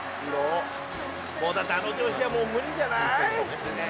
「だってあの調子じゃもう無理じゃない？」